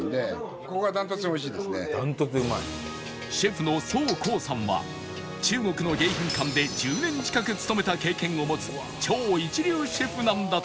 シェフの蘇翔さんは中国の迎賓館で１０年近く勤めた経験を持つ超一流シェフなんだとか